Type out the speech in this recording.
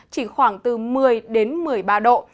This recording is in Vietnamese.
chỉ khoảng từ một mươi đến một mươi ba độ